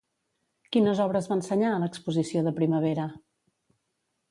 Quines obres va ensenyar a l'Exposició de Primavera?